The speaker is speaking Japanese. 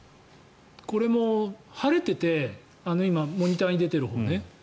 これも晴れていて今モニターに出ているほうね。